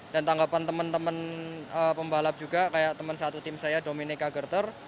dan tanggapan teman teman pembalap juga kayak teman satu tim saya dominika gerter